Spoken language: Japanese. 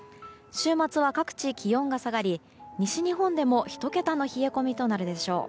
週末は各地、気温が下がり西日本でも１桁の冷え込みとなるでしょう。